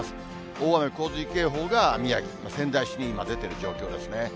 大雨洪水警報が宮城・仙台市に今出ている状況ですね。